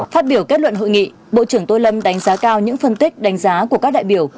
phát biểu kết luận hội nghị bộ trưởng tô lâm đánh giá cao những phân tích đánh giá của các đại biểu